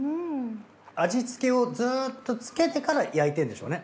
味付けをずっとつけてから焼いてんでしょうね。